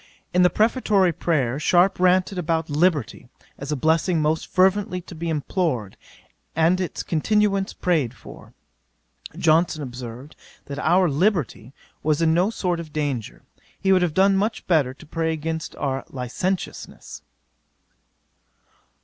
In the prefatory prayer, Sharpe ranted about Liberty, as a blessing most fervently to be implored, and its continuance prayed for. Johnson observed, that our liberty was in no sort of danger: he would have done much better, to pray against our licentiousness.